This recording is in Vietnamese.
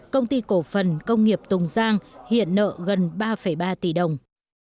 công ty cổ phần công nghiệp tùng giang hiện nợ gần ba ba tỷ đồng